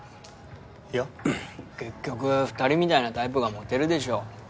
いや結局２人みたいなタイプがモテるでしょ